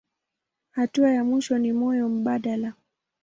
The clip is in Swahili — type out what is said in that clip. Hatua ya mwisho ni moyo mbadala.